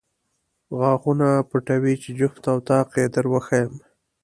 غاښونه پټوې چې جفت او طاق یې در وښایم.